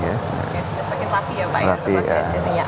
oke sudah segini lagi ya pak